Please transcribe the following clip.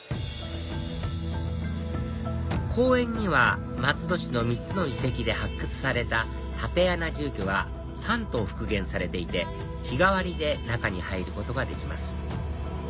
公園には松戸市の３つの遺跡で発掘された竪穴住居が３棟復元されていて日替わりで中に入ることができます